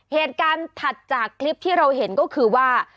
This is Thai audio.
เหตุการณ์ถัดจากคลิปที่เราเห็นก็คือว่า